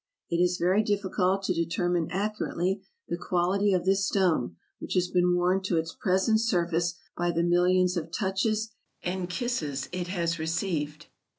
It is very difficult to determine accurately the quality of this stone, which has been worn to its present surface by the millions of touches and kisses it has received.